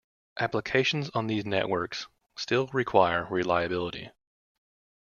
Applications on these networks still require reliability.